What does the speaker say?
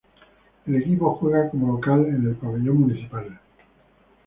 El equipo juega como local en el pabellón municipal.